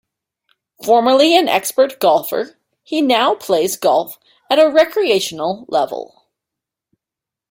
Formerly an expert golfer, he now plays golf at a recreational level.